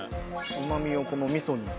うまみをこの味噌に。